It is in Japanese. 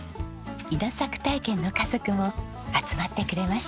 稲作体験の家族も集まってくれました。